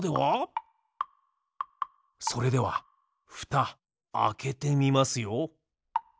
それではふたあけてみますよ。